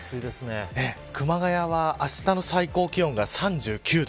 熊谷はあしたの最高気温が３９度。